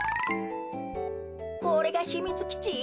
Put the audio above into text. これがひみつきち？